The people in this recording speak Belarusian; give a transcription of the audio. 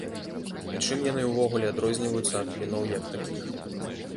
І чым яны ўвогуле адрозніваюцца ад бліноў як такіх?